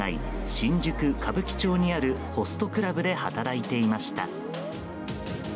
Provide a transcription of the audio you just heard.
新宿・歌舞伎町にあるホストクラブで働いていました。